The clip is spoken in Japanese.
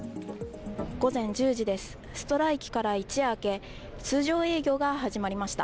午前１０時です、ストライキから一夜明け通常営業が始まりました。